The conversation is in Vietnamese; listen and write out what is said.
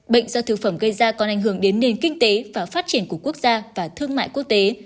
bệnh do thực phẩm gây ra còn ảnh hưởng đến nền kinh tế và phát triển của quốc gia và thương mại quốc tế